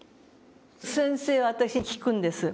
先生は私に聞くんです。